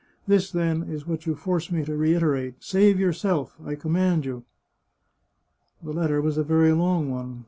This, then, is what you force me to reiterate : Save yourself ! I command you !" The letter was a very long one.